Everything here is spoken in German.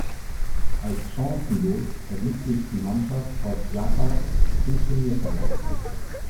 Als chancenlos erwies sich die Mannschaft aus Jaca im Turnierverlauf.